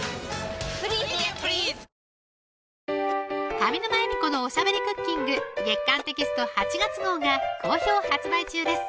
上沼恵美子のおしゃべりクッキング月刊テキスト８月号が好評発売中です